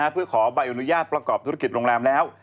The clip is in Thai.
เพื่อขอใบอนุญาตประกอบธุรกิจโรงแรมแล้ว